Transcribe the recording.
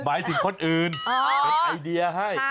หมายถึงคนอื่นเป็นไอเดียให้